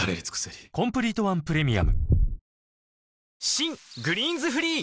新「グリーンズフリー」